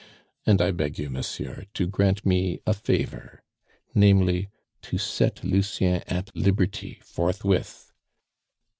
And I beg you, monsieur, to grant me a favor namely, to set Lucien at liberty forthwith."